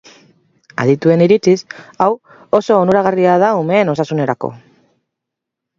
Adituen iritziz, hau oso onuragarria da umeen osasunerako.